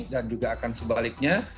dan juga akan sebaliknya